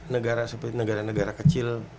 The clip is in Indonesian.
negara seperti negara negara kecil